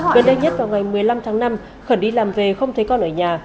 gần đây nhất vào ngày một mươi năm tháng năm khẩn đi làm về không thấy con ở nhà